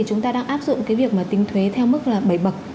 chúng ta đang áp dụng cái việc mà tính thuế theo mức là bảy bậc